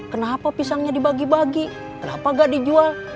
kenapa pisangnya dibagi bagi kenapa gak dijual